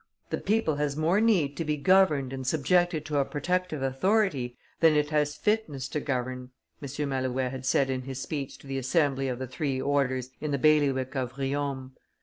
"The people has more need to be governed and subjected to a protective authority than it has fitness to govern," M. Malouet had said in his speech to the assembly of the three orders in the bailiwick of Riom.